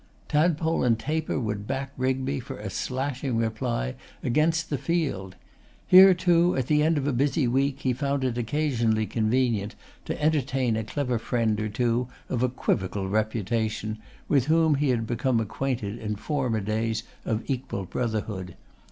Tadpole and Taper would back Rigby for a 'slashing reply' against the field. Here, too, at the end of a busy week, he found it occasionally convenient to entertain a clever friend or two of equivocal reputation, with whom he had become acquainted in former days of equal brotherhood.